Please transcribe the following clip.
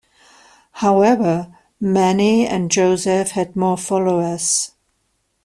However Mani and Joseph had more followers.